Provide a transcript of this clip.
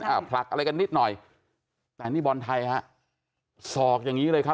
ผลักอะไรกันนิดหน่อยแต่นี่บอลไทยฮะศอกอย่างงี้เลยครับ